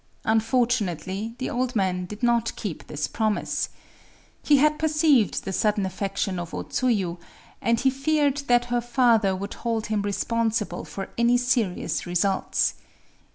Unfortunately the old man did not keep this promise. He had perceived the sudden affection of O Tsuyu; and he feared that her father would hold him responsible for any serious results.